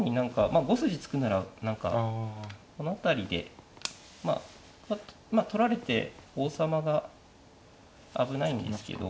まあ５筋突くなら何かこの辺りでまあ取られて王様が危ないんですけど。